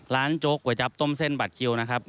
โจ๊กก๋วยจับต้มเส้นบัตรคิวนะครับ